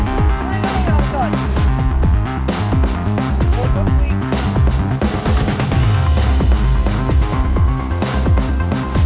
รอตำรวจก่อนสิครับ